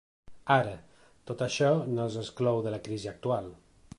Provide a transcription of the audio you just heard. Ara, tot això no els exclou de la crisi actual.